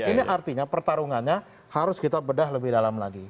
ini artinya pertarungannya harus kita bedah lebih dalam lagi